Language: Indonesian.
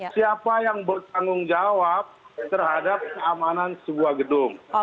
siapa yang bertanggung jawab terhadap keamanan sebuah gedung